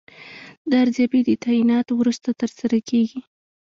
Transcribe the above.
دا ارزیابي د تعیناتو وروسته ترسره کیږي.